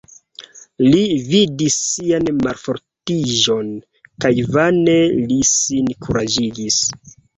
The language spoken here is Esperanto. Li vidis sian malfortiĝon kaj vane li sin kuraĝigis.